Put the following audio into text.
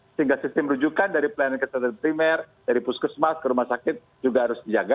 sehingga sistem rujukan dari pelayanan kesehatan primer dari puskesmas ke rumah sakit juga harus dijaga